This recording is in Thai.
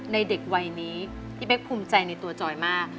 เด็กวัยนี้พี่เป๊กภูมิใจในตัวจอยมาก